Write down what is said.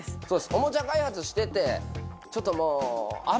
おもちゃ開発しててちょっともう。